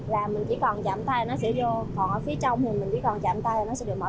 là mình chỉ còn chạm tay là nó sẽ vô còn ở phía trong thì mình chỉ còn chạm tay là nó sẽ được mở ra